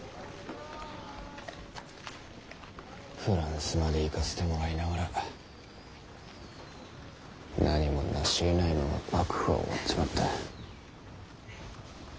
フランスまで行かせてもらいながら何もなしえないまま幕府は終わっちまった。